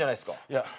いや。